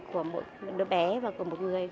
của một đứa bé và của một người